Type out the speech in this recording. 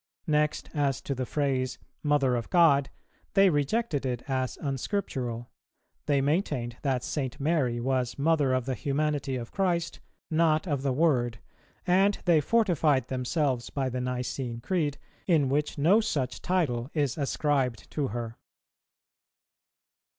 Next, as to the phrase "Mother of God," they rejected it as unscriptural; they maintained that St. Mary was Mother of the humanity of Christ, not of the Word, and they fortified themselves by the Nicene Creed, in which no such title is ascribed to her.